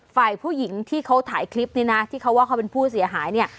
ฝ่ายผู้หญิงที่เขาถ่ายคลิปนี้นะที่เขาว่าเขาเป็นผู้เสียหายเนี่ย